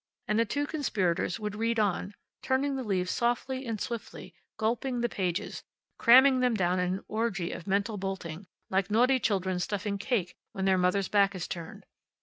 And the two conspirators would read on, turning the leaves softly and swiftly, gulping the pages, cramming them down in an orgy of mental bolting, like naughty children stuffing cake when their mother's back is turned.